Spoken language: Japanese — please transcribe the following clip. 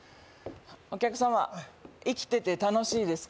お客様生きてて楽しいですか？